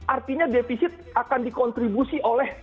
artinya defisit akan dikontribusi oleh